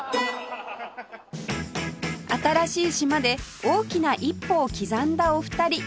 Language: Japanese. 新しい島で大きな一歩を刻んだお二人